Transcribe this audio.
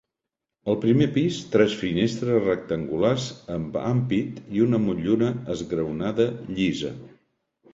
Al primer pis tres finestres rectangulars amb ampit i una motllura esgraonada llisa.